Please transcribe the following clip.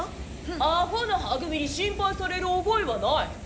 アホのは組に心配されるおぼえはない。